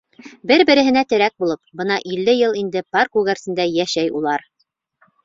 Бер-береһенә терәк булып, бына илле йыл инде пар күгәрсендәй йәшәй улар.